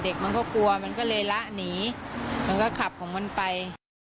มันก็กลัวมันก็เลยละหนีมันก็ขับของมันไป